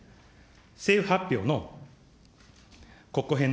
政府発表の国庫返納